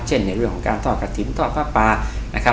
เช่นในเรื่องของการทอดกระทิมทอดฝ้าปลา